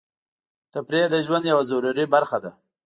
تفریح د ژوند یوه ضروري برخه ده.